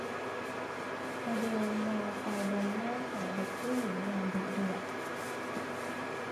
อเดลมองใบหน้าของเด็กผู้หญิงอย่างดุเดือด